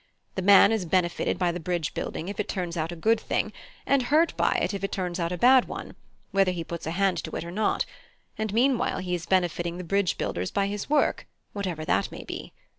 The man is benefited by the bridge building if it turns out a good thing, and hurt by it if it turns out a bad one, whether he puts a hand to it or not; and meanwhile he is benefiting the bridge builders by his work, whatever that may be.